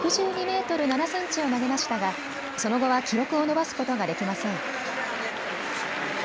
６２メートル７センチを投げましたが、その後は記録を伸ばすことができません。